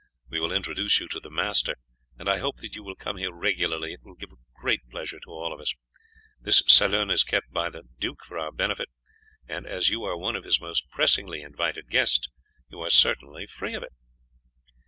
We will introduce you to the master, and I hope that you will come here regularly; it will give real pleasure to all. This salon is kept up by the duke for our benefit, and as you are one of his most pressingly invited guests you are certainly free of it."